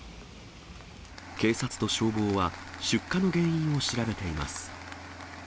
警察と消防は、出火の原因を調べています。